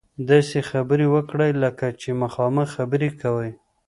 داسې خبرې وکړئ لکه چې مخامخ خبرې کوئ.